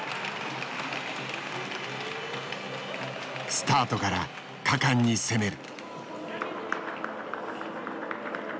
スタートから果敢に攻める。